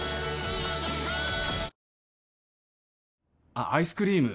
あっアイスクリーム